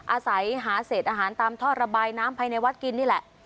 อาศัยหาเศษอาหารตามท่อระบายน้ำภายในวัดกินนี่แหละ